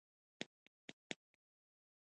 کب د کال وروستۍ میاشت ده او پسرلي ته نږدې وي.